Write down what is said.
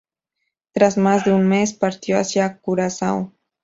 Tras más de un mes, partió hacia Curazao.